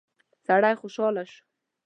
سړی خوشاله شو.